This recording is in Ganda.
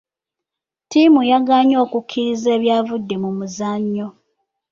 Ttiimu yagaanye okukkiriza ebyavudde mu muzannyo.